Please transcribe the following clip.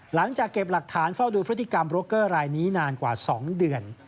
หลังจากเก็บหลักฐานเฝ้าดูพฤติกรรมโรเกอร์รายนี้นานกว่า๒เดือน